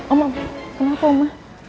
oma kenapa oma